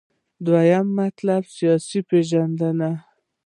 دوهم مطلب : سیاست پیژندنه